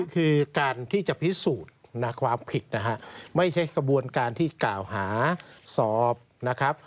คือการที่จะพิสูจน์ความผิดนะฮะไม่ใช่กระบวนการที่กล่าวหาสอบนะครับ